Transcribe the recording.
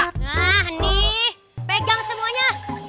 nah nih pegang semuanya